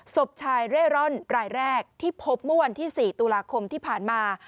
ศพชายเร่ร่อนรายแรกที่พบเมื่อวันที่๔ตุลาคมที่ผ่านมา